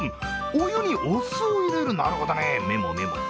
お湯にお酢を入れる、なるほどね、メモメモ。